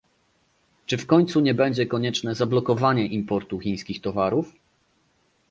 Czy w końcu nie będzie konieczne zablokowanie importu chińskich towarów?